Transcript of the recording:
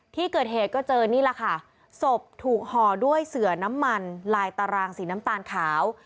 ที่เกิดเหตุก็เจอนี่แหละค่ะศพถูกห่อด้วยเสือน้ำมันลายตารางสีน้ำตาลขาว